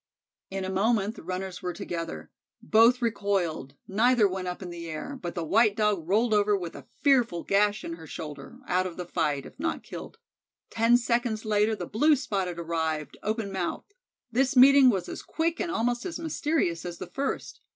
In a moment the runners were together. Both recoiled, neither went up in the air, but the white Dog rolled over with a fearful gash in her shoulder out of the fight, if not killed. Ten seconds later the Blue spot arrived, open mouthed. This meeting was as quick and almost as mysterious as the first.